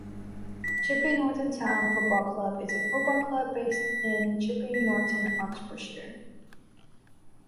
Chipping Norton Town Football Club is a football club based in Chipping Norton, Oxfordshire.